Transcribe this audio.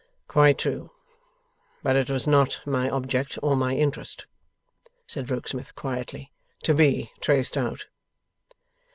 'Quite true. But it was not my object or my interest,' said Rokesmith, quietly, 'to be traced out.